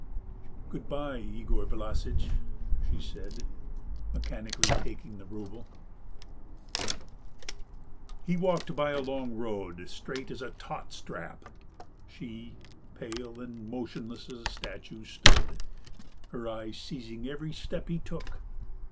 "Good bye, Yegor Vlassitch," she said, mechanically taking the rouble. He walked by a long road, straight as a taut strap. She, pale and motionless as a statue, stood, her eyes seizing every step he took.